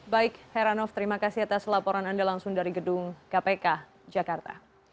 baik heranov terima kasih atas laporan anda langsung dari gedung kpk jakarta